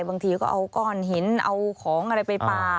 บางทีก็เอาก้อนหินเอาของอะไรไปปลา